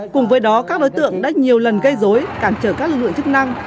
cùng với đó các đối tượng đã nhiều lần gây dối cản trở các lực lượng chức năng